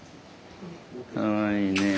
かわいいねえ。